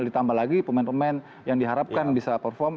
ditambah lagi pemain pemain yang diharapkan bisa perform